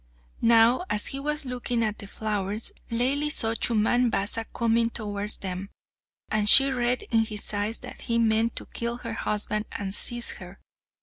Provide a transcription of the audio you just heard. Now, as he was looking at the flowers, Laili saw Chumman Basa coming towards them, and she read in his eyes that he meant to kill her husband and seize her.